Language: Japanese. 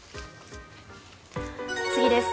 次です。